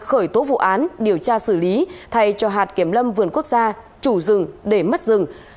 khởi tố vụ án điều tra xử lý thay cho hạt kiểm lâm vườn quốc gia chủ rừng để mất rừng